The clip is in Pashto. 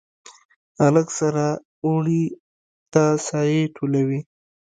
هلک سره اوړي ته سایې ټولوي